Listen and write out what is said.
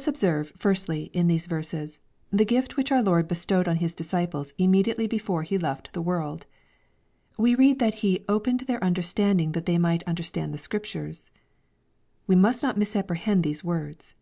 Let us observe, firstly, in these verses, the gift which our Lord bestowed on His disciples immediately before He l^t the world. We read that He ^' opened their un derstanding that they might understand the Scriptures/' We must not misapprehend these words.